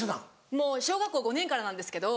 もう小学校５年からなんですけど。